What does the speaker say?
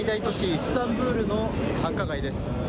イスタンブールの繁華街です。